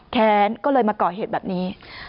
แค้นก็เลยมาก่อเหตุแบบนี้